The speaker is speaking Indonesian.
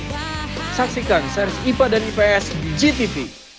hai saksikan seri ipad dan ips di gtv